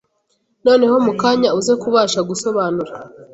noneho mu kanya uze kubasha gusobanura